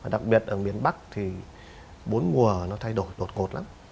đặc biệt ở miền bắc thì bốn mùa nó thay đổi đột ngột lắm